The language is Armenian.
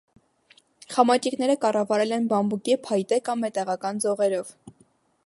Խամաճիկները կառավարվել են բամբուկե, փայտե կամ մետաղական ձողերով։